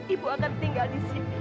ibu akan tinggal di sini